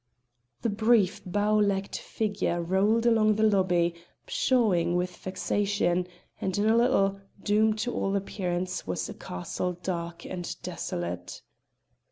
The brief bow legged figure rolled along the lobby, pshawing with vexation, and in a little, Doom, to all appearance, was a castle dark and desolate.